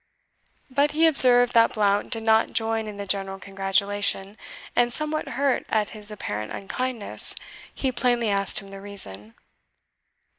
But he observed that Blount did not join in the general congratulation, and, somewhat hurt at his apparent unkindness, he plainly asked him the reason.